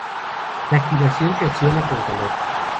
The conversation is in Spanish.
La activación se acciona con calor.